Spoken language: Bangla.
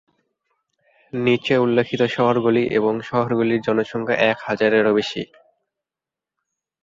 নিচে উল্লিখিত শহরগুলি এবং শহরগুলির জনসংখ্যা এক হাজারেরও বেশি।